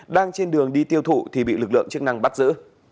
đang trên đường đi tiêu thụ thì bị lực lượng chức năng bắt giữ